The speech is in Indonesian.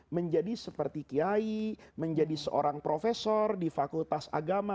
menjadi seperti kiai menjadi seorang profesor di fakultas agama